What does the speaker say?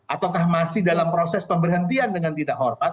ataukah masih dalam proses pemberhentian dengan tidak hormat